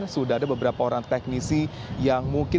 sudah ada beberapa orang teknisi yang mungkin